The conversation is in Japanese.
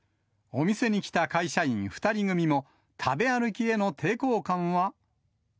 お店に来た会社員２人組も、食べ歩きへの抵抗感は。